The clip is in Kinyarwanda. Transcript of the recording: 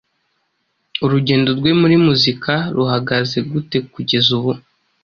urugendo rwe muri muzika ruhagaze gute kugeza ubu